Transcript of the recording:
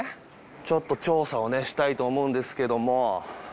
ちょっと調査をねしたいと思うんですけども。